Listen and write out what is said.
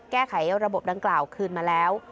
แก้ไขระบบดังกล่าวคืนมาแล้ว